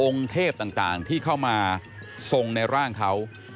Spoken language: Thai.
เทพต่างที่เข้ามาทรงในร่างเขา